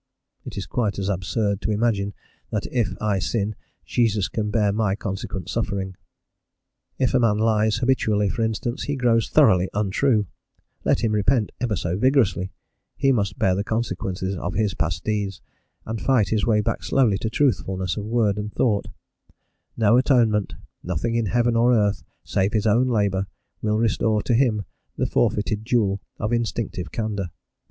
It is quite as absurd to imagine that if I sin Jesus can bear my consequent suffering. If a man lies habitually, for instance, he grows thoroughly untrue: let him repent ever so vigorously, he must bear the consequences of his past deeds, and fight his way back slowly to truthfulness of word and thought: no atonement, nothing in heaven or earth save his own labour, will restore to him the forfeited jewel of instinctive candour.